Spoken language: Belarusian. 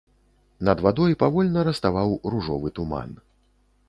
Над вадой павольна раставаў ружовы туман.